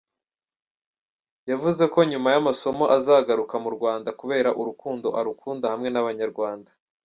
Yavuze ko nyuma y’amasomo azagaruka mu Rwanda kubera urukundo arukunda hamwe n’Abanyarwanda.